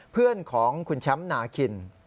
เพื่อนของคุณแชมป์นาคิน